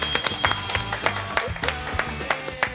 よし。